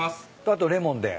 あとレモンで？